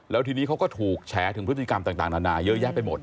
แล้วทีนี้เขาก็ถูกแฉถึงพฤติกรรมต่างนานาเยอะแยะไปหมด